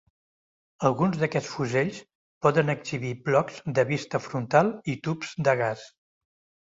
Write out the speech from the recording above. Alguns d'aquests fusells poden exhibir blocs de vista frontal i tubs de gas.